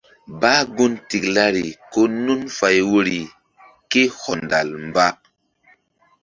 Bah gun tiklari ko nun fay woyri ké hɔndal mba.